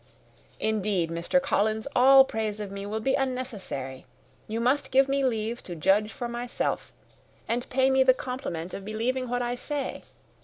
"Indeed, Mr. Collins, all praise of me will be unnecessary. You must give me leave to judge for myself, and pay me the compliment of believing what I say.